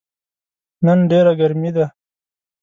نن ډیره ګرمې ده